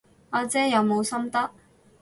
阿姐有冇心得？